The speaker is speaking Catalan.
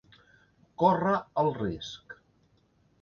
Córrer el risc.